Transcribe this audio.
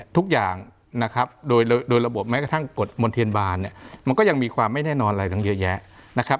ทุกอย่างโดยระบบแม้กระทั่งกฎมลเทียนบาลมันก็ยังมีความไม่แน่นอนอะไรทั้งเยอะแยะ